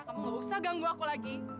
kamu gak usah ganggu aku lagi